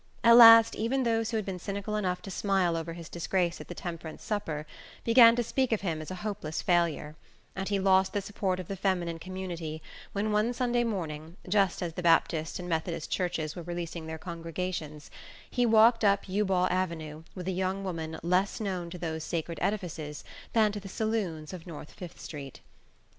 At last even those who had been cynical enough to smile over his disgrace at the temperance supper began to speak of him as a hopeless failure, and he lost the support of the feminine community when one Sunday morning, just as the Baptist and Methodist churches were releasing their congregations, he walked up Eubaw Avenue with a young woman less known to those sacred edifices than to the saloons of North Fifth Street.